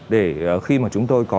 để khi mà chúng tôi có